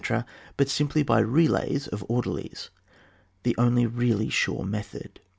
but simply by relays of order lies, the only really sure method.